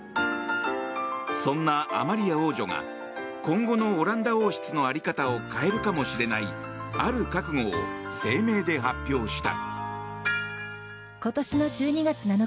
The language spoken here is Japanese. そんなアマリア王女が今後のオランダ王室の在り方を変えるかもしれないある覚悟を声明で発表した。